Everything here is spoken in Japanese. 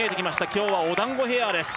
今日はお団子ヘアです